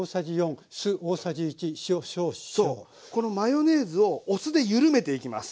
このマヨネーズをお酢でゆるめていきます。